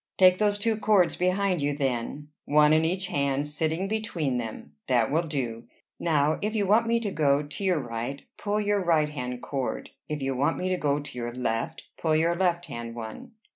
"Take those two cords behind you, then, one in each hand, sitting between them. That will do. Now, if you want me to go to your right, pull your right hand cord; if you want me to go to your left, pull your left hand one."